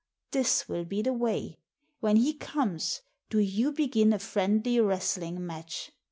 This will be the way. When he comes, do you begin a friendly wrestling match.